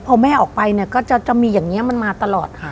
พอแม่ออกไปก็จะมีอย่างนี้มันมาตลอด